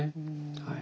はい。